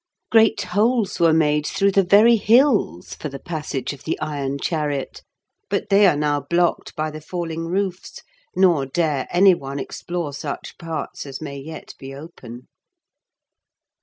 Great holes were made through the very hills for the passage of the iron chariot, but they are now blocked by the falling roofs, nor dare any one explore such parts as may yet be open.